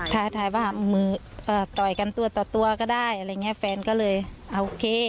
ถ่ายว่ามือต่อยกันตัวต่อตัวก็ได้อะไรอย่างเงี้ยแฟนก็เลยโอเค